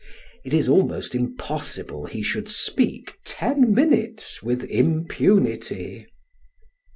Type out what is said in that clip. it is almost impossible he should speak ten minutes with impunity.